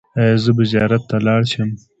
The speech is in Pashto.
ایا زه به زیارت ته لاړ شم؟